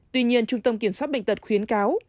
tuy nhiên trung tâm kiểm soát bệnh tật khuyến cáo